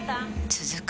続く